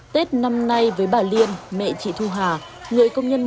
tết năm nay với bà liên mẹ chị thu hà